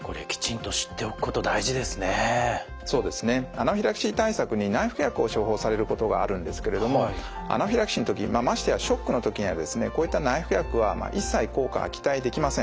アナフィラキシー対策に内服薬を処方されることがあるんですけれどもアナフィラキシーの時にましてやショックの時にはですねこういった内服薬は一切効果は期待できません。